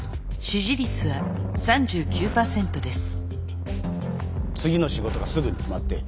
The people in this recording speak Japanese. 支持率は３６％です。